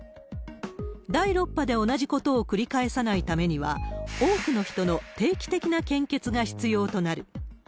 第６波で同じことを繰り返さないためには、多くの人の定期的な献血が必要となる。